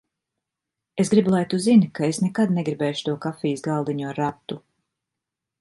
Es gribu, lai tu zini, ka es nekad negribēšu to kafijas galdiņu ar ratu.